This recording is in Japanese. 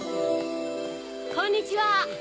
こんにちは！